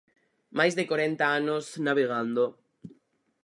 Máis de corenta anos navegando.